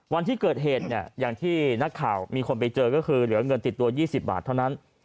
วันที่เกิดเหตุเนี่ยอย่างที่นักข่าวมีคนไปเจอก็คือเหลือเงินติดตัว๒๐บาทเท่านั้น